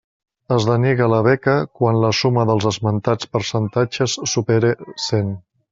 Es denega la beca quan la suma dels esmentats percentatges supere cent.